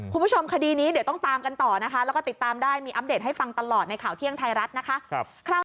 คุณผู้ชมคดีนี้เดี๋ยวต้องตามกันต่อนะคะแล้วก็ติดตามได้มีอัปเดตให้ฟังตลอดในข่าวเที่ยงไทยรัฐนะคะ